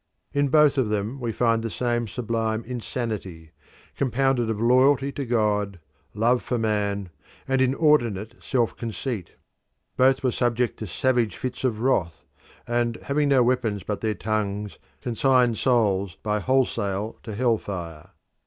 In both of them we find the same sublime insanity, compounded of loyalty to God, love for man, and inordinate self conceit; both were subject to savage fits of wrath, and having no weapons but their tongues, consigned souls by wholesale to hell fire.